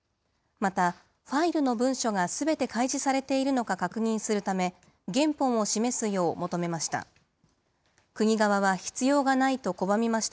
また、ファイルの文書がすべて開示されているのか確認するため、原本を示すよう求めました。